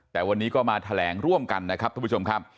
แต่วันนี้ก็มาแถลงร่วมกันนะครับทุกผู้ชมครับ